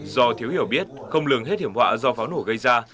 do thiếu hiểu biết không lường hết hiểm họa do pháo nổ gây ra